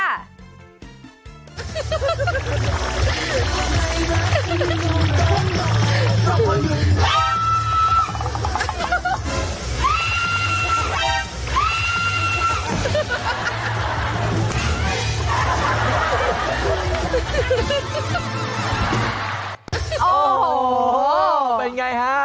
โอ้โหเป็นอย่างไรฮะ